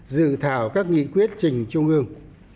dự thảo các nghị quyết trình trung ương